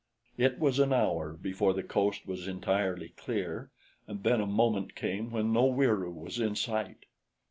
It was an hour before the coast was entirely clear and then a moment came when no Wieroo was in sight.